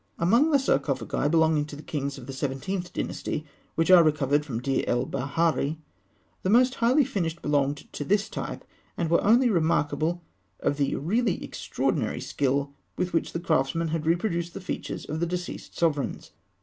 Among the sarcophagi belonging to kings of the Seventeenth Dynasty which I recovered from Deir el Baharî, the most highly finished belonged to this type, and were only remarkable for the really extraordinary skill with which the craftsman had reproduced the features of the deceased sovereigns.